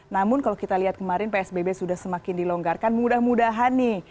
namun kalau kita lihat kemarin psbb sudah semakin dilonggarkan mudah mudahan nih